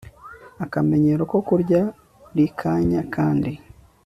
Akamenyero ko kurya buri kanya kandi